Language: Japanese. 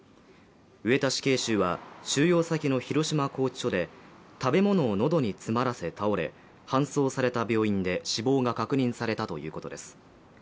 上田死刑囚は、収容先の広島拘置所で食べ物を喉に詰まらせ倒れ搬送された病院で死亡が確認されたということです。